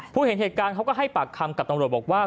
เห็นเหตุการณ์เขาก็ให้ปากคำกับตำรวจบอกว่า